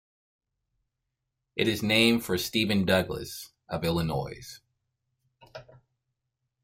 It is named for Stephen Douglas, of Illinois.